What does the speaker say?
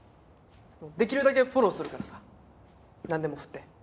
できるだけフォローするからさなんでも振って。